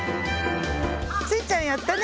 スイちゃんやったね！